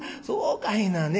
そうかいな。